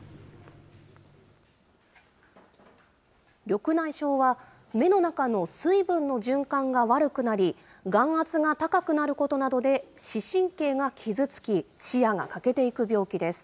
緑内障は、目の中の水分の循環が悪くなり、眼圧が高くなることなどで視神経が傷つき、視野が欠けていく病気です。